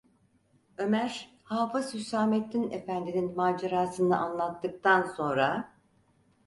Ömer, Hafız Hüsamettin efendinin macerasını anlattıktan sonra: